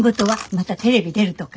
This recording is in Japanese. またテレビ出るとか。